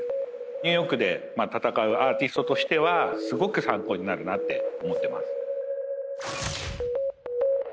ニューヨークでたたかうアーティストとしてはすごく参考になるなって思ってます